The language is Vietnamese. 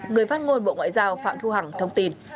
người phát ngôn bộ ngoại giao phạm thu hằng thông tin